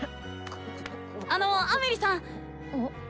あのアメリさん！